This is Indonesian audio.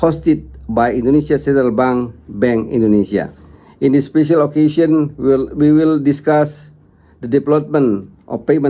webinar hari ini yang dihadiri oleh bank indonesia indonesia akan membahas aspek detail